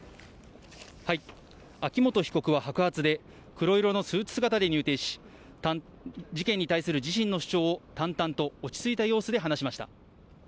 秋元被告は白髪で、黒色のスーツ姿で入廷し、事件に対する自身の主張を、淡々と落ち着いた様子で話しました。